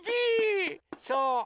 そう！